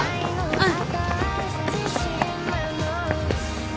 うん